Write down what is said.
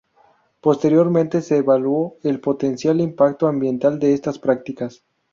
Posteriormente, se evaluó el potencial impacto ambiental de estas prácticas.